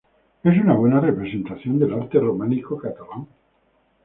Es una buena representación del arte románico catalán.